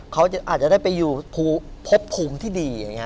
เขาอาจจะได้ไปอยู่พบภูมิที่ดี